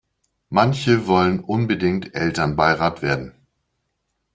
Manche wollen unbedingt Elternbeirat werden.